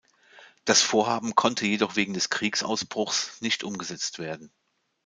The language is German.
Das Vorhaben konnte jedoch wegen des Kriegsausbruchs nicht umgesetzt werden.